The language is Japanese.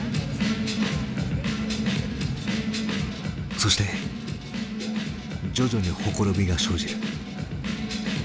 そして徐々にほころびが生じる。